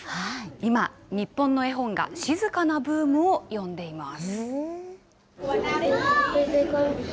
今、日本の絵本が静かなブームを呼んでいます。